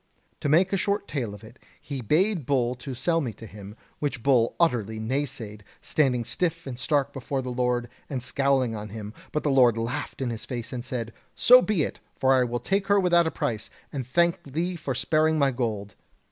To make a short tale of it, he bade Bull sell me to him, which Bull utterly naysaid, standing stiff and stark before the Lord, and scowling on him. But the Lord laughed in his face and said: 'So be it, for I will take her without a price, and thank thee for sparing my gold.'